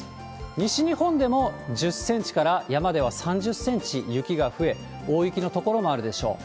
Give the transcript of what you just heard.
西日本でも１０センチから、山では３０センチ雪が増え、大雪の所もあるでしょう。